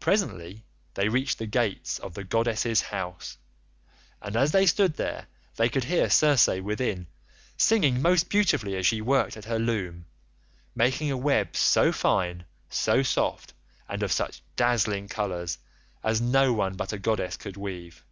Presently they reached the gates of the goddess's house, and as they stood there they could hear Circe within, singing most beautifully as she worked at her loom, making a web so fine, so soft, and of such dazzling colours as no one but a goddess could weave.